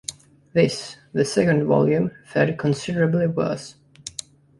This, the second volume, fared considerably worse.